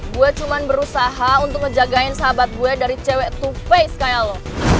gue cuman berusaha untuk ngejagain sahabat gue dari cewek tupai sekaya lo